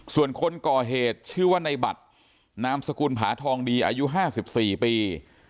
ส่วนคนก่อเหตุชื่อว่าในบัตรนามสกุลผาทองดีอายุ๕๔ปี